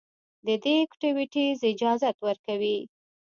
د دې ايکټويټيز اجازت ورکوي